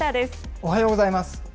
おはようございます。